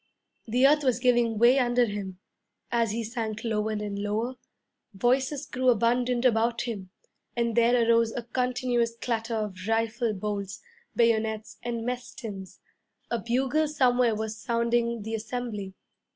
The earth was giving way under him. As he sank lower and lower, voices grew abundant about him; and there arose a continuous clatter of rifle bolts, bayonets, and mess tins. A bugle somewhere was sounding the assembly.